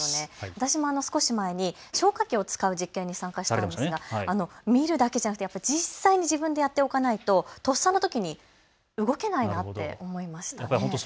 私も少し前に消火器を使う実験に参加したんですが見るだけではなくて、実際に自分でやっておかないととっさのときに動けないなと思いました。